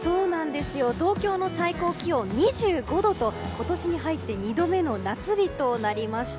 東京の最高気温２５度と今年に入って２度目の夏日となりました。